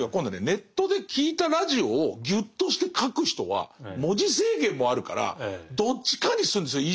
ネットで聴いたラジオをギュッとして書く人は文字制限もあるからどっちかにするんですよ。